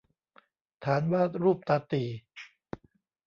ฐานวาดรูปตาตี่